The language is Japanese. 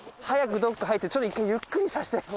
早くどこか入ってちょっと１回ゆっくりさせて。